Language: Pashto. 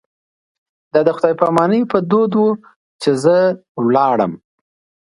دا د خدای په امانۍ په دود و چې زه لاړم.